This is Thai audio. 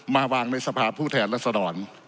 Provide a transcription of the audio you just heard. มาวางในสภาพผู้แทนรัศดร